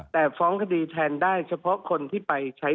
แต่ฟ้องคดีแทนได้เฉพาะคนที่ไปใช้